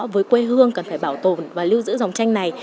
với quê hương cần phải bảo tồn và lưu giữ dòng tranh này